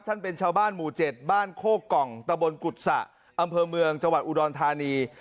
เป็นชาวบ้านหมู่๗บ้านโคกล่องตะบนกุศะอำเภอเมืองจังหวัดอุดรธานี